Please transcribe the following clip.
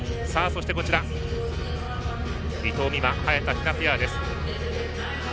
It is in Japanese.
そして伊藤美誠、早田ひなペアです。